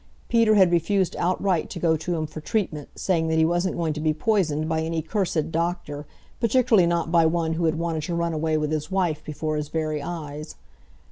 Peter had refused outright to go to him for treatment, saying that he wasn't going to be poisoned by any cursed doctor, particularly not by one who had wanted to run away with his wife before his very eyes.